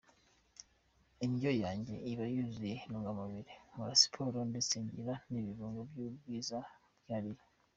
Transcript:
Indyo yanjye iba yuzuye intungamubiri, nkora siporo, ndetse ngira n’ibirungo by’ubwiza byihariye.